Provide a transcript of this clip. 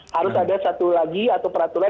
harus ada satu lagi atau peraturan